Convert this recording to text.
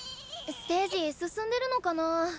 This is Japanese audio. ステージ進んでるのかなあ？